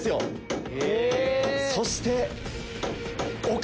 そして。